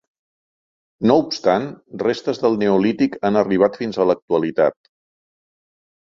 No obstant, restes del neolític han arribat fins a l'actualitat.